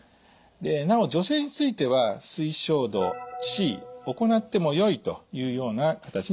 なお女性については推奨度Ｃ行ってもよいというような形にしています。